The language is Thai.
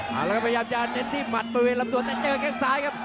มาแล้วก็พยายามจะเน้นที่หมัดบริเวณลำตัวแต่เจอแค่งซ้ายครับ